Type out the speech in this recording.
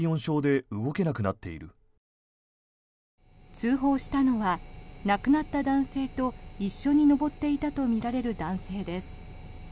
通報したのは亡くなった男性と一緒に登っていたとみられる男性です。